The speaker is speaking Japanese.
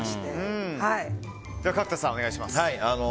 角田さん、お願いします。